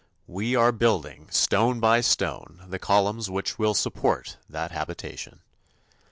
We are building, stone by stone, the columns which will support that habitation.